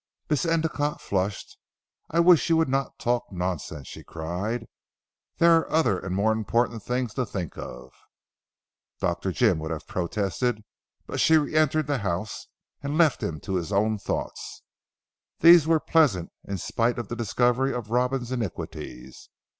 Miss Endicotte flushed. "I wish you would not talk nonsense," she cried, "there are other and more important things to think of." Dr. Jim would have protested, but she re entered the house, and left him to his own thoughts. These were pleasant in spite of the discovery of Robin's iniquities.